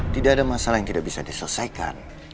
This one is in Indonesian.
tidak ada masalah yang tidak bisa diselesaikan